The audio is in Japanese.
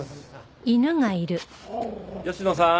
吉野さん